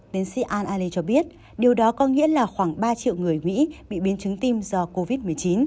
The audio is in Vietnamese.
tiến sĩ ali cho biết điều đó có nghĩa là khoảng ba triệu người mỹ bị biến chứng tim do covid một mươi chín